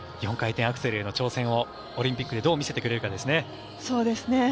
４回転アクセルへの挑戦をオリンピックでどう見せてくれるかですね。